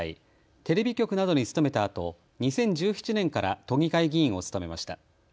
テレビ局などに勤めたあと２０１７年から都議会議員を務めました。